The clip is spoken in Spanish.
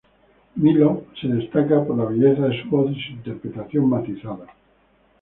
Millo se destaca por la belleza de su voz y su interpretación matizada.